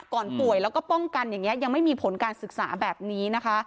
ป่วยแล้วก็ป้องกันอย่างนี้ยังไม่มีผลการศึกษาแบบนี้นะคะ